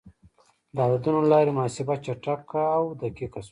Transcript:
د عددونو له لارې محاسبه چټکه او دقیق شوه.